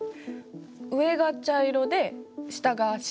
上が茶色で下が白。